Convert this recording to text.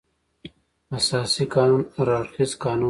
اساسي قانون هر اړخیز قانون دی.